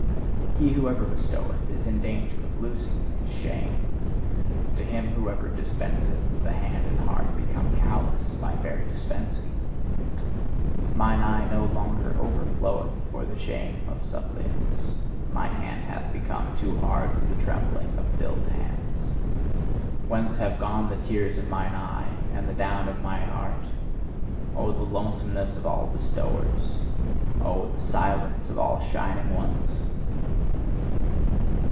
He who ever bestoweth is in danger of losing his shame; to him who ever dispenseth, the hand and heart become callous by very dispensing. Mine eye no longer overfloweth for the shame of suppliants; my hand hath become too hard for the trembling of filled hands. Whence have gone the tears of mine eye, and the down of my heart? Oh, the lonesomeness of all bestowers! Oh, the silence of all shining ones!